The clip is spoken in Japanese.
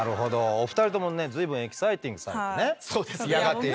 お二人ともね随分エキサイティングされてね嫌がっておられる。